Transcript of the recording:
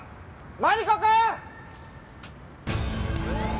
マリコ君！